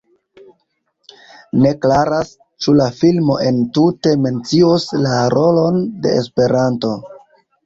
Ne klaras, ĉu la filmo entute mencios la rolon de Esperanto.